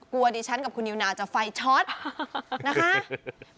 ดิฉันกับคุณนิวนาวจะไฟช็อตนะคะ